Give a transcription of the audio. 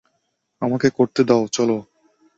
আমাকে করতে দাও, চলো!